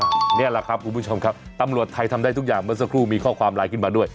นี่แหละครับคุณผู้ชมครับตำรวจไทยทำได้ทุกอย่างเมื่อสักครู่มีข้อความไลน์ขึ้นมาด้วย